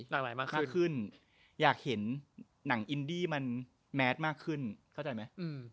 หลากหลายมากยิ่งขึ้นอยากเห็นหนังอินดี้มันแมทมากขึ้นเข้าใจไหม